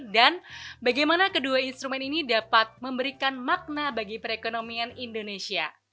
dan bagaimana kedua instrumen ini dapat memberikan makna bagi perekonomian indonesia